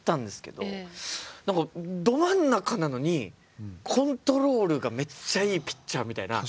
何かど真ん中なのにコントロールがめっちゃいいピッチャーみたいな。